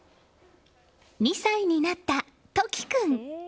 ２歳になった飛希君。